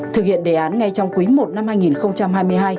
thực hiện đề án ngay trong cuối một năm hai nghìn hai mươi hai